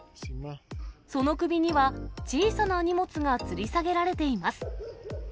その首には、小さな荷物がつり下げられています。